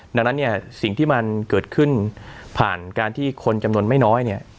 ดังนั้นเนี่ยสิ่งที่มันเกิดขึ้นผ่านการที่คนจำนวนไม่น้อยเนี่ย